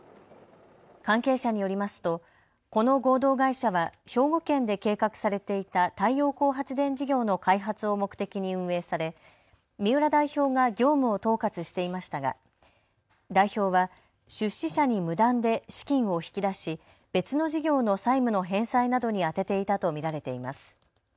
関係者によりますとこの合同会社は兵庫県で計画されていた太陽光発電事業の開発を目的に運営され三浦代表が業務を統括していましたが代表は出資者に無断で資金を引き出し、別の事業の債務の返済などに充てていたと見られています。